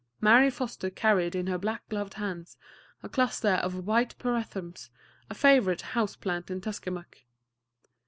Mary Foster carried in her black gloved hands a cluster of white pyrethrums, a favorite house plant in Tuskamuck.